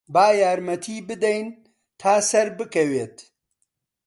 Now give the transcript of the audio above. با یارمەتیی بدەین تا سەربکەوێت.